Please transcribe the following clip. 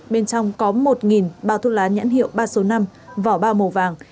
bên trong có một bao thuốc lá nhãn hiệu ba số năm vỏ bao màu vàng